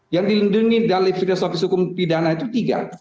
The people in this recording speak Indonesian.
yang dilindungi dari filosofis hukum pidana itu tiga